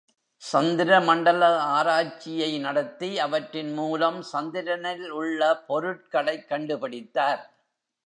சந்திர மண்டல ஆராய்ச்சியை நடத்தி அவற்றின் மூலம் சந்திரனில் உள்ள பொருட்களைக் கண்டு பிடித்தார்!